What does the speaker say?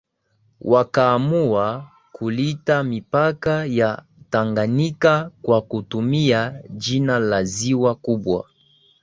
wakaamua kuliita mipaka ya Tanganyika kwa kutumia jina la ziwa kubwa